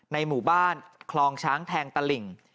ในหมู่บ้านคลองช้างแทงตลิ่ง